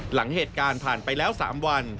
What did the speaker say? หลังเหตุการณ์ผ่านไปแล้ว๓วัน